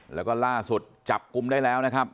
แล้วก็ล่าสุดจับกลุ่มได้แล้วนะครับ